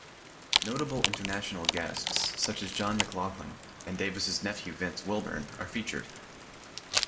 Notable international guests such as John McLaughlin and Davis' nephew Vince Wilburn are featured.